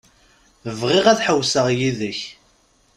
Bɣiɣ ad ḥewwseɣ yid-k.